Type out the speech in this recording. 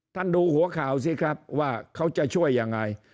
ดูหัวข่าวสิครับว่าเขาจะช่วยยังไง